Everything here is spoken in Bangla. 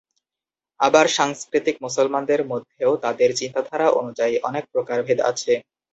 আবার সাংস্কৃতিক মুসলমানদের মধ্যেও তাদের চিন্তাধারা অনুযায়ী অনেক প্রকারভেদ আছে।